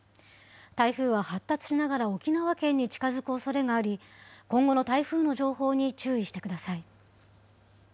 台風は発達しながら沖縄県に近づくおそれがあり、今後の台風の情報に注意してください。